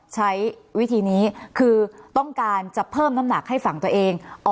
ใช้วิธีนี้คือต้องการจะเพิ่มน้ำหนักให้ฝั่งตัวเอง